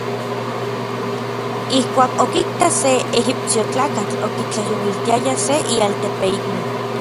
Ijkuak okitak se ejipsiojtlakatl okitlajyouiltiaya se ialtepeikni.